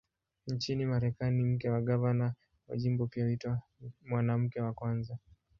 Nchini Marekani, mke wa gavana wa jimbo pia huitwa "Mwanamke wa Kwanza".